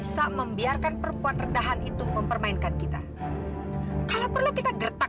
sampai jumpa di video selanjutnya